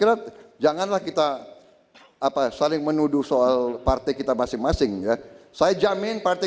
kirap janganlah kita apa saling menuduh soal partai kita masing masing ya saya jamin partai